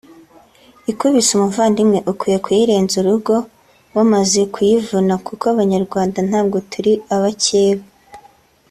ikubise umuvandimwe ukwiye kuyirenza urugo wamaze kuyivuna kuko Abanyarwanda ntabwo turi abakeba